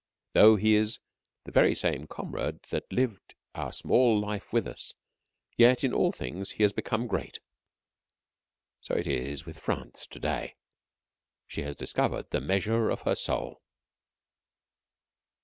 Though he is the very same comrade that lived our small life with us, yet in all things he has become great. So it is with France to day. She has discovered the measure of her soul.